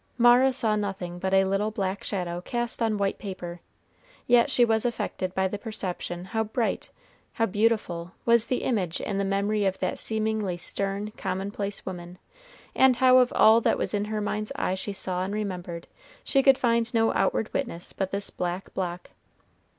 Mara saw nothing but a little black shadow cast on white paper, yet she was affected by the perception how bright, how beautiful, was the image in the memory of that seemingly stern, commonplace woman, and how of all that in her mind's eye she saw and remembered, she could find no outward witness but this black block.